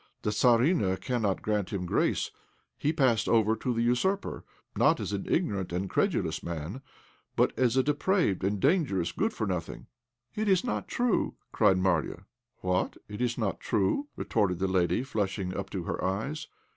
"The Tzarina cannot grant him grace. He passed over to the usurper, not as an ignorant and credulous man, but as a depraved and dangerous good for nothing." "It's not true!" cried Marya. "What! it's not true?" retorted the lady, flushing up to her eyes.